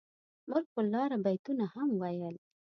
موږ پر لاره بيتونه هم ويل.